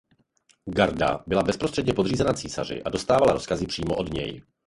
Garda byla bezprostředně podřízena císaři a dostávala rozkazy přímo od něj.